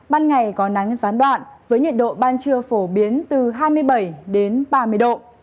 ban ngày có nắng gián đoạn với nhiệt độ ban trưa phổ biến từ hai mươi bảy đến ba mươi độ